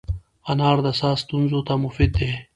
انار د ساه ستونزو ته مفید دی.